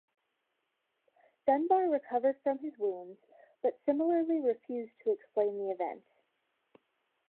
Dunbar recovered from his wounds, but similarly refused to explain the event.